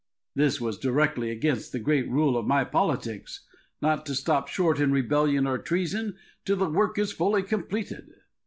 This was directly against the great rule of my politics, not to stop short in rebellion or treason till the work is fully completed.